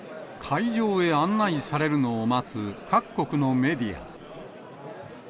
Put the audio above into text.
会場へ案内されるのを待つ各国のメディア。